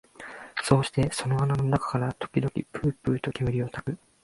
そうしてその穴の中から時々ぷうぷうと煙を吹く